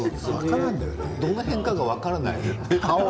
どの辺か分からない。